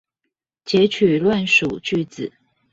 擷取亂數句子